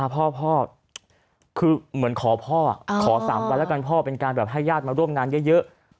พ่อคือเหมือนขอพ่อขอ๓วันแล้วกันพ่อเป็นการแบบให้ญาติมาร่วมงานเยอะ